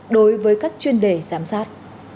đối với các chuyên đề giám sát